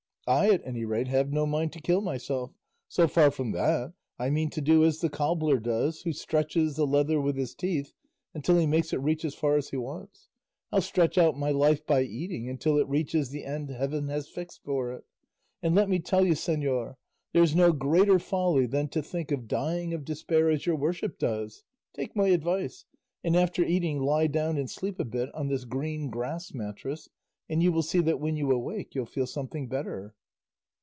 I, at any rate, have no mind to kill myself; so far from that, I mean to do as the cobbler does, who stretches the leather with his teeth until he makes it reach as far as he wants. I'll stretch out my life by eating until it reaches the end heaven has fixed for it; and let me tell you, señor, there's no greater folly than to think of dying of despair as your worship does; take my advice, and after eating lie down and sleep a bit on this green grass mattress, and you will see that when you awake you'll feel something better."